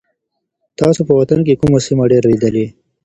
تاسو په وطن کي کومه سیمه ډېره لیدلې؟